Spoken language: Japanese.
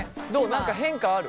何か変化ある？